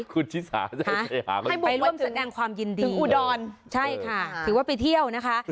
คุณชิสาจะให้ไปหาเขาด้วยถึงอุดรใช่ค่ะถือว่าไปเที่ยวนะคะ